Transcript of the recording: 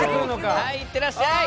はい行ってらっしゃい。